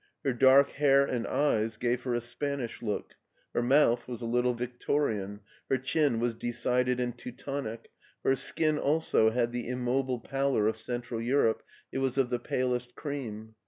Her dark hair and eyes gave her a Spanish look, her mouth was a little Victorian, her chin was decided and Teutonic, her skin also had the immobile pallor of Central Europe, it was of the palest cream.